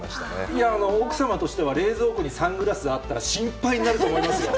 いや、奥さまとしては、冷蔵庫にサングラスあったら心配になると思いますよ。